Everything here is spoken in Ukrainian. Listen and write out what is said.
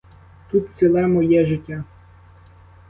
Тут ціле моє життя.